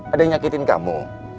ada yang nyakitin kamu